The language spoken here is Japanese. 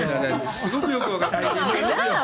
すごくよく分かる。